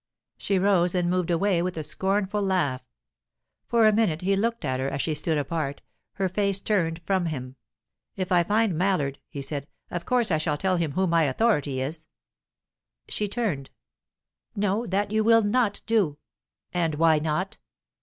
She rose and moved away with a scornful laugh. For a minute he looked at her as she stood apart, her face turned from him. "If I find Mallard," he said, "of course I shall tell him who my authority is." She turned. "No; that you will not do!" "And why not?"